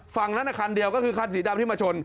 ฝั่งนั้นคันเดียวก็คือคันสีดำที่มาชน